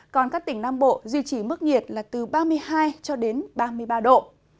còn các tỉnh nam bộ duy trì mức nhiệt là từ ba mươi hai cho đến ba mươi ba độ